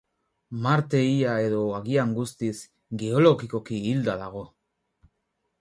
Marte ia, edo agian guztiz, geologikoki hilda dago.